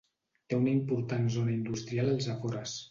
Té una important zona industrial als afores.